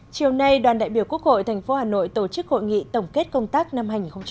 chiều nay đoàn đại biểu quốc hội tp hà nội tổ chức hội nghị tổng kết công tác năm hai nghìn một mươi chín